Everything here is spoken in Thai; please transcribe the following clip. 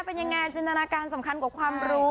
เป็นยังไงจินตนาการสำคัญกว่าความรู้